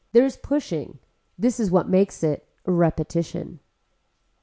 There is pushing, this is what makes it repetition.